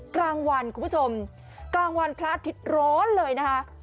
กลางวันคุณผู้ชมกลางวันพระอาทิตย์ร้อนเลยนะคะ